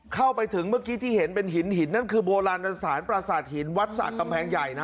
เข้าไปถึงเมื่อกี้ที่เห็นเป็นหินหินนั่นคือโบราณสถานประสาทหินวัดสะกำแพงใหญ่นะ